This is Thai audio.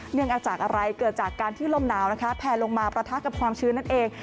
เนื่องจากอะไรเกิดจากการที่ลมหนาวแพลลงมาประทักกับความชืนนั่นเอง